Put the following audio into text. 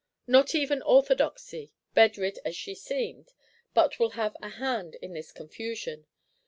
Not even Orthodoxy, bedrid as she seemed, but will have a hand in this confusion.